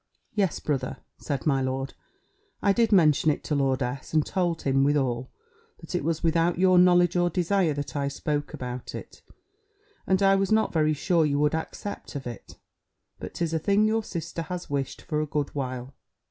"Yes, brother," said my lord, "I did mention it to Lord S. and told him, withal, that it was without your knowledge or desire that I spoke about it; and I was not very sure you would accept of it; but 'tis a thing your sister has wished for a good while."